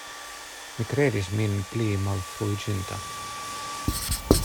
Mi kredis min pli malfruiĝinta.